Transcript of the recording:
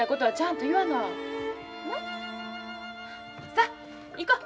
さあ行こう。